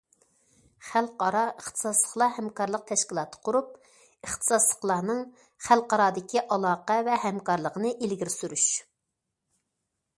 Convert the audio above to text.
خەلقئارا ئىختىساسلىقلار ھەمكارلىق تەشكىلاتى قۇرۇپ، ئىختىساسلىقلارنىڭ خەلقئارادىكى ئالاقە ۋە ھەمكارلىقىنى ئىلگىرى سۈرۈش.